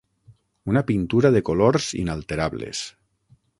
Una pintura de colors inalterables.